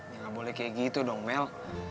ya nggak boleh kayak gitu dong mel